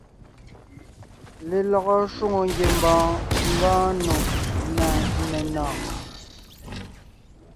Lelɔgɔ shwòŋo ngiembɔɔn ngɔɔn nò ná menɔ̀ɔn.